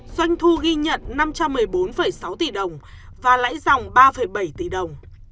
doanh thu ghi nhận năm trăm một mươi bốn sáu tỷ đồng và lãi dòng ba bảy tỷ đồng